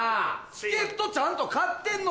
チケットちゃんと買ってんのよ！